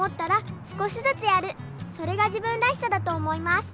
それが自分らしさだと思います。